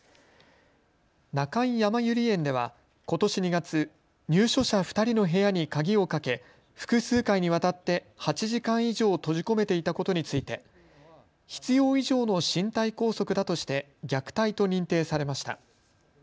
中井やまゆり園ではことし２月、入所者２人の部屋に鍵をかけ複数回にわたって８時間以上閉じ込めていたことについて必要以上の身体拘束だとして虐待と認定されました。